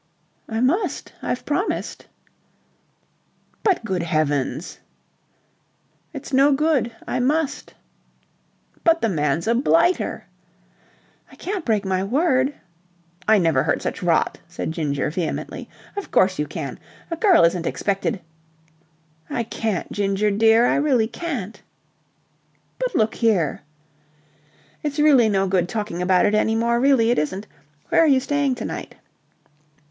"I must. I've promised." "But, good heavens..." "It's no good. I must." "But the man's a blighter!" "I can't break my word." "I never heard such rot," said Ginger vehemently. "Of course you can. A girl isn't expected..." "I can't, Ginger dear, I really can't." "But look here..." "It's really no good talking about it any more, really it isn't... Where are you staying to night?"